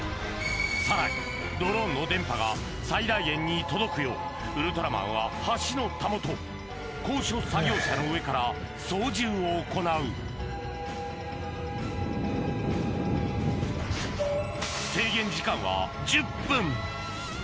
さらにドローンの電波が最大限に届くようウルトラマンは橋のたもと高所作業車の上から操縦を行う制限時間は１０分